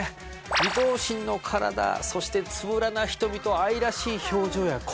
２頭身の体そしてつぶらな瞳と愛らしい表情や声。